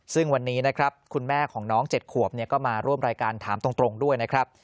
ซึ่งวันนี้นะครับคุณแม่ของน้อง๗ขวบก็มาร่วมรายการถามตรงด้วยนะครับ